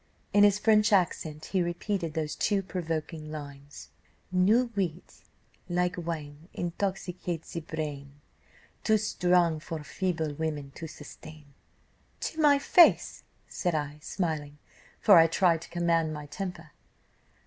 In his French accent he repeated those two provoking lines 'New wit, like wine, intoxicates the brain, Too strong for feeble women to sustain.' "'To my face?' said I, smiling, for I tried to command my temper.